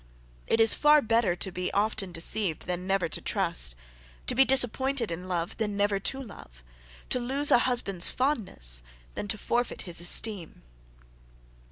It is far better to be often deceived than never to trust; to be disappointed in love, than never to love; to lose a husband's fondness, than forfeit his esteem.